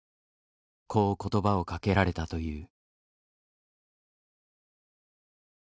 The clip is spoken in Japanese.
こう言葉をかけられたという。